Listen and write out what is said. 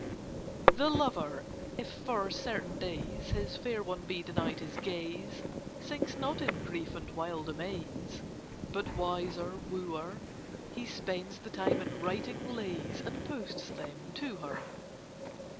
The lover, if for certain days His fair one be denied his gaze, Sinks not in grief and wild amaze, But, wiser wooer, He spends the time in writing lays, And posts them to her.